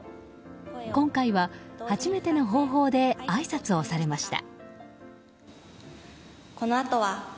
今回は初めての方法であいさつをされました。